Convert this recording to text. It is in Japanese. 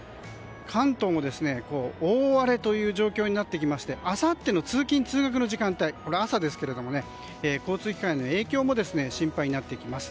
関東も大荒れという状況になってきましてあさっての通勤・通学の時間帯朝ですけれども交通機関への影響も心配になってきます。